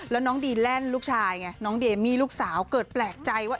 แล้วน้องดีแลนด์ลูกชายไงน้องเดมี่ลูกสาวเกิดแปลกใจว่า